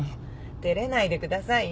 照れないでくださいよ。